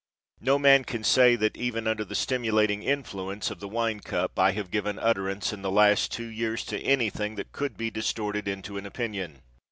No man can say that, even under the stimulating influence of the wine cup, I have given utterance in the last two years to anything that could be distorted into an opinion.